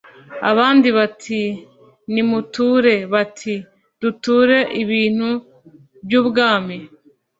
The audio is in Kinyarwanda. Abandi bati:"Nimuture" Bati: "Duture ibintu by' umwami ?"